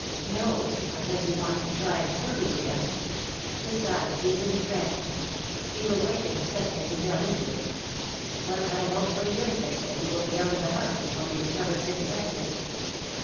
"No, unless you want him to try and kill you again. Besides, he is in a trance; he will waken as suddenly as he fell into it. But I hope, for your sake, that you will be out of the house before he recovers his senses."